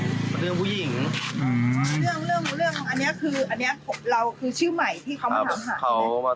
เรื่องเรื่องเรื่องอันเนี้ยคืออันเนี้ยเราคือชื่อใหม่ที่เขามาตามหา